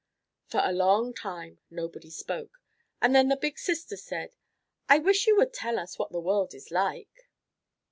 For a long time nobody spoke, and then the big sister said, "I wish you would tell us what the world is like."